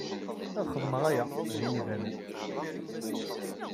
Ad xedmeɣ aya, d ayen ibanen.